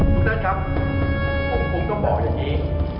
ทุกท่านครับผมคงต้องบอกอย่างนี้